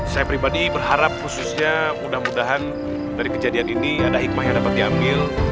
saya pribadi berharap khususnya mudah mudahan dari kejadian ini ada hikmah yang dapat diambil